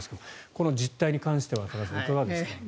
この実態に関しては多田さん、いかがですか？